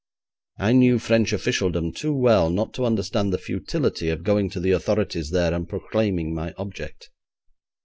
I knew French officialdom too well not to understand the futility of going to the authorities there and proclaiming my object.